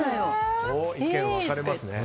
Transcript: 意見分かれますね。